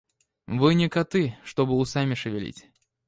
Вы не коты, чтобы усами шевелить.